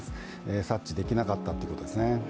察知できなかったということですね。